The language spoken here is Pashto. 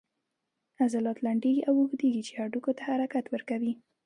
عضلات لنډیږي او اوږدیږي چې هډوکو ته حرکت ورکوي